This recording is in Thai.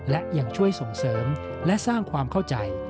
และยังช่วยส่งเสริมและสร้างความเข้าใจ